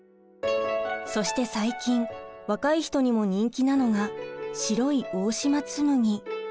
そして最近若い人にも人気なのが白い大島紬。